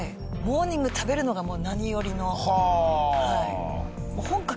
モーニング食べるのがもう何よりのはい。